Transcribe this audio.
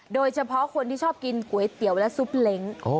โดยเฉพาะคนที่ชอบกินก๋วยเตี๋ยวและซุปเล้ง